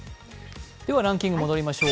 ランキング戻りましょう。